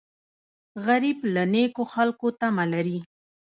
غریب له نیکو خلکو تمه لري